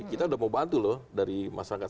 kita sudah mau bantu loh dari masyarakat